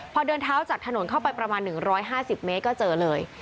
พอเดินเท้าจากถนนเข้าไปประมาณ๑๕๐เมตรก็เจอเลย